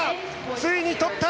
ついに取った！